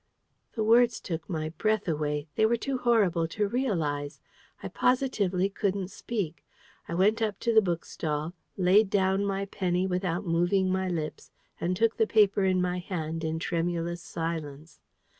The words took my breath away. They were too horrible to realise. I positively couldn't speak. I went up to the bookstall, laid down my penny without moving my lips, and took the paper in my hand in tremulous silence.